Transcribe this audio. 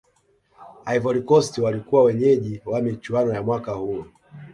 ivory coast walikuwa wenyeji wa michuano ya mwaka huo